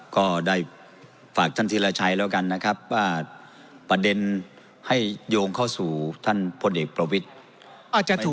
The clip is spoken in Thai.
ก็ได้ฝากท่านธีรชัยแล้วกันนะครับว่าประเด็นให้โยงเข้าสู่ท่านพลเอกประวิทธิ์